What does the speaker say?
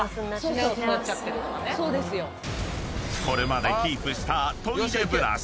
［これまでキープしたトイレ